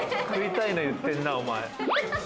食いたいの、言ってんな。